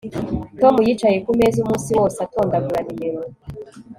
Tom yicaye kumeza umunsi wose atondagura nimero